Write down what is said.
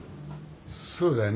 そうだね。